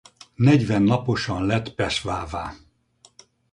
Negyven naposan lett peshwa-vá.